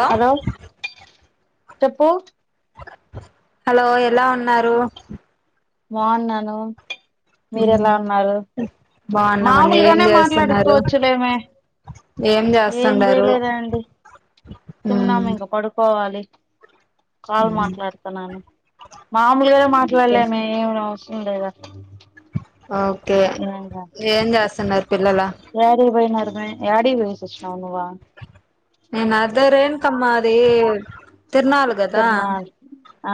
ఆ హలో చెప్పు హలో ఎలా ఉన్నారు బావున్నాను మీరెలా ఉన్నారు బాగున్నామండి ఏం మామూలుగానే చేస్తున్నారు మాట్లాడుకోవచ్చులేమే ఏం ఏం చేస్తుండారు చేయలేదండి ఉమ్ తిన్నాము ఇంక పడుకోవాలి కాల్ మాట్లాడుతున్నాను మాములుగా ఓకే మాట్లాడలే ఏం అవసరం లేదు ఓకే ఏం చేస్తున్నారు పిల్లల ఏడికి పోయినారు యాడికి పొయ్యేసి వచ్చినావు నువ్వు నేన్ అర్ దర రేణుకమ్మా డేర్ తిరునాల్ ఆ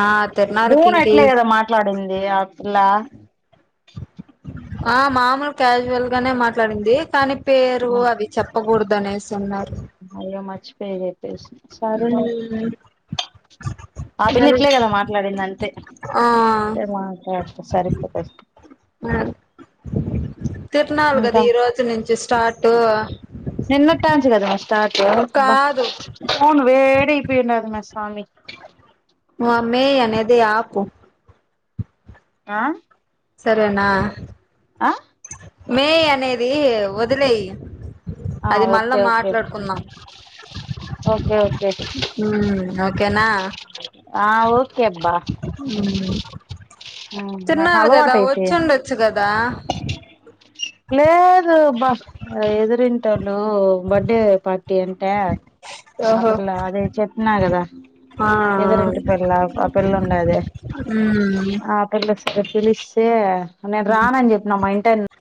ఆ తిరునాలకి భువన ఇంకి అట్లే కదా మాట్లాడింది ఆ పిల్లా ఆ మామూలు క్యాజువల్ గానే మాట్లాడింది కానీ పేరు ఆ అవి చెప్పకూడదు అనేసి అన్నారు అయ్యో మర్చిపోయ సరేలే ఉమ్ ఆ పిల్ల అది ఇట్లే కదా మాట్లాడింది అంతే ఆ రేప్ మాట్లాడుత సరిపోతది తిరునాలు కదా ఇంకా ఈ రోజు నుంచి స్టార్ట్ బస్ కాదు అవును వేడియిపోయినారు మస్త్ స్వామి నో ఆ మ్మే అనేది ఆపు ఆ సరేనా ఆ మే అనేదీ వదిలేయ్ ఆ అది మళ్ళా ఓకే ఓకే మాట్లాడుకుందాం ఓకే ఓకే ఊ ఒక్ కెనా ఆ ఒకే అబ్బా ఉమ్ నాకు తిన్నాలి కదా అలవాటైపొయింది వచ్చుండొచ్చు కదా లేదు బా ఎదురింటోళ్లు బర్డె పాట్ టి అంటే ఆ ఓహో పిల్లా అది చెప్పినా గదా ఆ ఎదురింటి పిల్లా ఆ పిల్ల ఉండాది ఉమ్ ఆ పిల్ల రేపు పిలిస్తే నేన్ రానని చెప్పిన మా ఇంటెన్